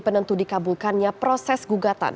penentu dikabulkannya proses gugatan